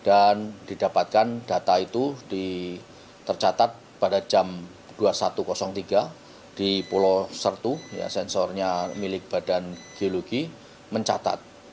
dan didapatkan data itu tercatat pada jam dua puluh satu tiga di pulau sertu sensornya milik badan geologi mencatat